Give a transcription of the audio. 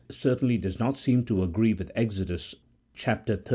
certainly does not seem to agree with Exodus xxxiv.